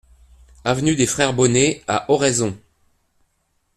Avenue des Frères Bonnet à Oraison